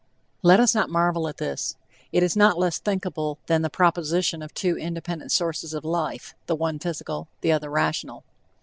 Let us not marvel at this; it is not less thinkable than the proposition of two independent sources of life, the one physical, the other rational.